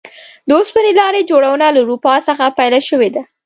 د اوسپنې لارې جوړونه له اروپا څخه پیل شوې ده.